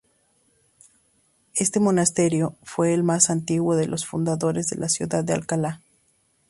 Este monasterio fue el más antiguo de los fundados en la ciudad de Alcalá.